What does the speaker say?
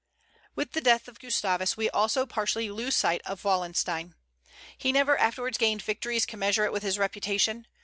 With the death of Gustavus we also partially lose sight of Wallenstein. He never afterwards gained victories commensurate with his reputation.